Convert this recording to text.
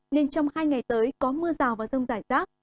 nên trong hai ngày tới có mưa rào và rông rải rác